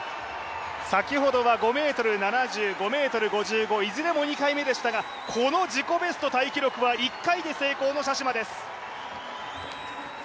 先ほどは５ｍ７０、５ｍ５５、いずれも２回目でしたがこの自己ベストタイ記録は１回で成功のシャシュマです。